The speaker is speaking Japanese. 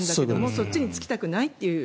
そっちに就きたくないという。